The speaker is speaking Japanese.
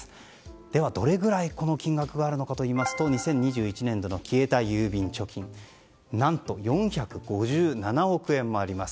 では、どれぐらいかといいますと２０２１年度の消えた郵便貯金何と、４５７億円もあります。